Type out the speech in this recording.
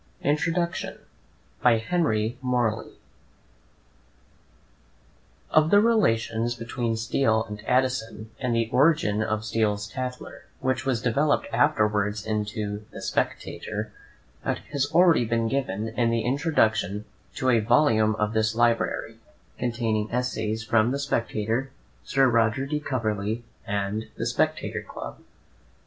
INTRODUCTION By Henry Morley Of the relations between Steele and Addison, and the origin of Steele's "Tatler," which was developed afterwards into the "Spectator," account has already been given in the introduction to a volume of this Library, * containing essays from the "Spectator" "Sir Roger de Coverley and the Spectator Club."